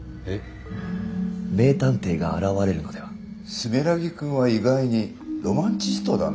住良木君は意外にロマンチストだな。